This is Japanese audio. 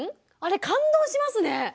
あれ感動しますね。